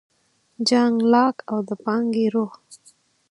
جان لاک او د پانګې روح